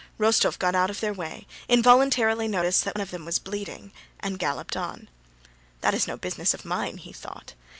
Rostóv got out of their way, involuntarily noticed that one of them was bleeding, and galloped on. "That is no business of mine," he thought.